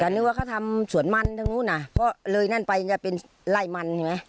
แต่นึกว่าเขาทำสวนมันทางนู้นน่ะเพราะเลยนั่นไปจะเป็นไล่มันใช่ไหม